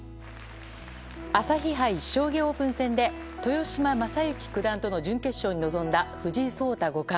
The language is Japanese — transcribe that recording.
朝日杯将棋オープン戦で豊島将之九段との準決勝に臨んだ藤井聡太五冠。